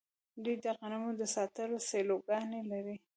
دوی د غنمو د ساتلو سیلوګانې لري.